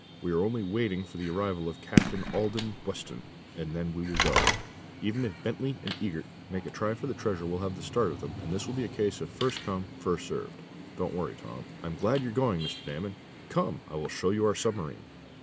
"We are only waiting for the arrival of Captain Alden Weston, and then we will go. Even if Bentley & Eagert make a try for the treasure we'll have the start of them, and this will be a case of first come, first served. Don't worry, Tom. I'm glad you're going, Mr Damon. Come, I will show you our submarine."